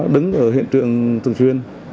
đứng ở hiện trường thường xuyên